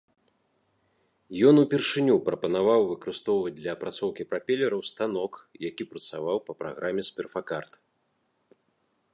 Ён упершыню прапанаваў выкарыстоўваць для апрацоўкі прапелераў станок, які працаваў па праграме з перфакарт.